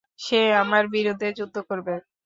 সে আমার বিরুদ্ধে যুদ্ধ করবে।